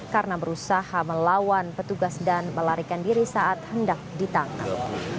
karena berusaha melawan petugas dan melarikan diri saat hendak ditangkap